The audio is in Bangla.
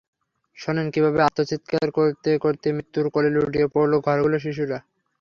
শোনেন কীভাবে আর্তচিৎকার করতে করতে মৃত্যুর কোলে লুটিয়ে পড়ে ঘরগুলোর শিশুরা।